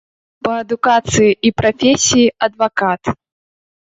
Па адукацыі і прафесіі адвакат.